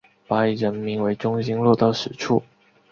把以人民为中心落到实处